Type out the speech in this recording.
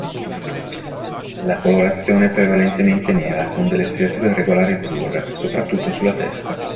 La colorazione è prevalentemente nera con delle striature irregolari azzurre, soprattutto sulla testa.